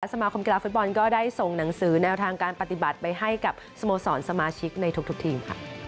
สมาคมกีฬาฟุตบอลก็ได้ส่งหนังสือแนวทางการปฏิบัติไปให้กับสโมสรสมาชิกในทุกทีม